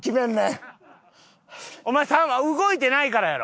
お前動いてないからやろ。